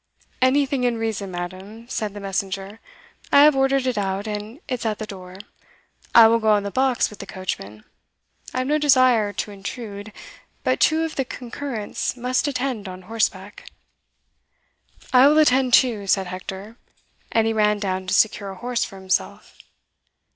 "Anything in reason, madam," said the messenger; "I have ordered it out, and it's at the door I will go on the box with the coachman I have no desire to intrude but two of the concurrents must attend on horseback." "I will attend too," said Hector, and he ran down to secure a horse for himself.